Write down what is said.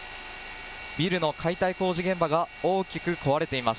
ビルの解体工事現場が大きく壊れています。